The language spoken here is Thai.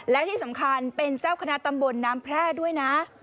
และที่สำคัญเป็นเจ้าคณะตำบลน้ำแพร่ด้วยนะ